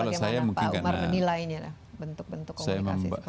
bagaimana pak umar menilainya bentuk bentuk komunikasi seperti ini